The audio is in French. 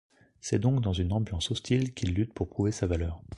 C'est donc dans une ambiance hostile qu'il lutte pour prouver sa valeur.